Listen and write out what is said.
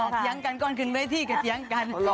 เถียงกันก่อนขึ้นเวทีก็เถียงกัน